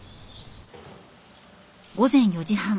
午前４時半。